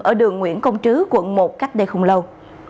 ở đường nguyễn công trứ quận một cách đây không lâu